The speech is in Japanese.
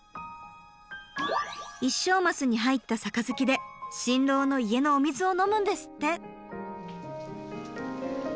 一升マスに入った杯で新郎の家のお水を飲むんですって。